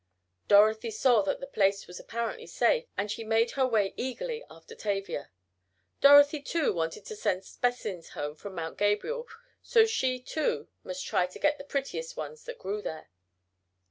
Dorothy saw that the place was apparently safe, and she made her way eagerly after Tavia. Dorothy, too, wanted to send specimens home from Mount Gabriel, so she, too, must try to get the prettiest ones that grew there.